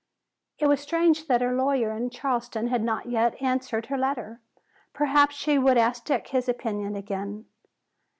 It was strange that her lawyer in Charleston had not yet answered her letter. Perhaps she would ask Dick his opinion again.